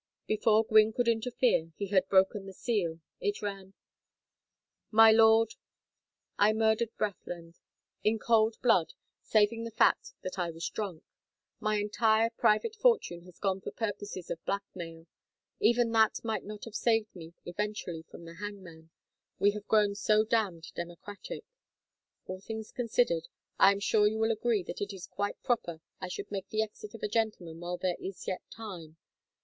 Before Gwynne could interfere he had broken the seal. It ran: MY LORD, I murdered Brathland. In cold blood saving the fact that I was drunk. My entire private fortune has gone for purposes of blackmail. Even that might not have saved me eventually from the hangman, we have grown so damned democratic. All things considered, I am sure you will agree that it is quite proper I should make the exit of a gentleman while there is yet time.